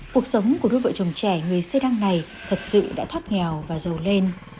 cuộc sống của đôi vợ chồng trẻ người xê đăng này thật sự đã thoát nghèo và giàu lên